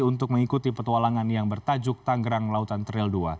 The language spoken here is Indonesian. untuk mengikuti petualangan yang bertajuk tanggerang lautan trail dua